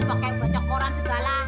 pakai baca koran segala